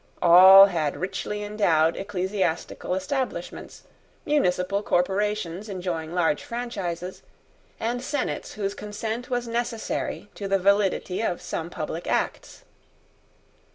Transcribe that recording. All had richly endowed ecclesiastical establishments, municipal corporations enjoying large franchises, and senates whose consent was necessary to the validity of some public acts.